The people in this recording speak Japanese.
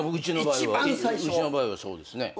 うちの場合はそうですね。